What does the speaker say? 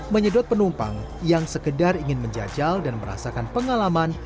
menyedot penumpang yang sekedar ingin menjajal dan merasakan pengalaman